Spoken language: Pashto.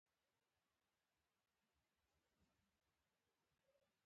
چا چې ځان د غېر صحتمند خوراکونو نه ساتلے دے